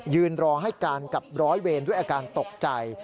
ยืนรอให้การกับร้อยเวรด้วยอาการตกใจ